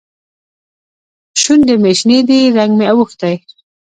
شونډې مې شنې دي؛ رنګ مې اوښتی.